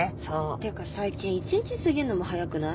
てか最近１日過ぎるのも早くない？